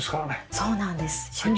そうなんです。